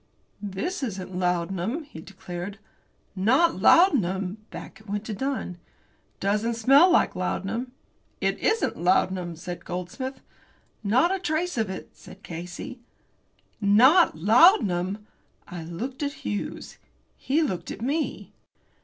"This isn't laudanum," he declared. "Not laudanum!" Back it went to Dunn. "It doesn't smell like laudanum." "It isn't laudanum," said Goldsmith. "Not a trace of it," said Casey. NOT laudanum! I looked at Hughes. He looked at me.